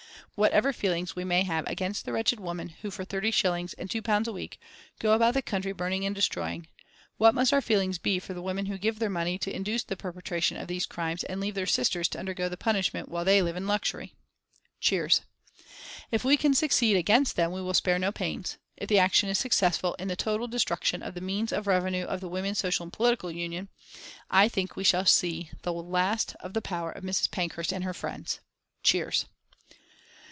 Whatever feelings we may have against the wretched women who for 30s. and £2 a week go about the country burning and destroying, what must our feelings be for the women who give their money to induce the perpetration of these crimes and leave their sisters to undergo the punishment while they live in luxury?" (Cheers.) "If we can succeed against them we will spare no pains. If the action is successful in the total destruction of the means of revenue of the Women's Social and Political Union I think we shall see the last of the power of Mrs. Pankhurst and her friends." (Cheers.)